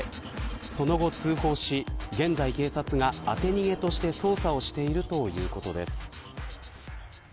その後、通報し現在、警察が当て逃げとして捜査をしているということです。